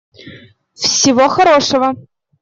Всего хорошего.